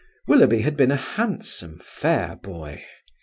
Willoughby had been a handsome, fair boy.